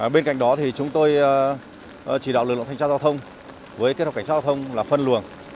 bên cạnh đó thì chúng tôi chỉ đạo lực lượng thanh tra giao thông với kết hợp cảnh sát giao thông là phân luồng